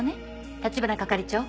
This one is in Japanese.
橘係長。